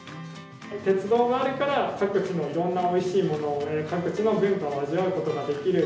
鉄道があるから、各地のいろんなおいしいもの、各地の文化を味わうことができる。